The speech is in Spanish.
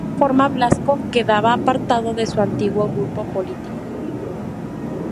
De esta forma Blasco quedaba apartado de su antiguo grupo político.